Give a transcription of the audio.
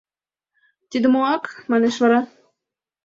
— Тиде моак? — манеш вара.